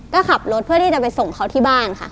ก็ขับรถเพื่อที่จะไปส่งเขาที่บ้านค่ะ